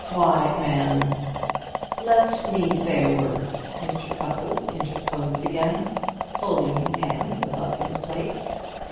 Why, man " "Let me say a word," Mr. Cupples interposed again, folding his hands above his plate.